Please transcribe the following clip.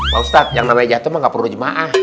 pak ustadz yang namanya jatuh mah gak perlu jemaah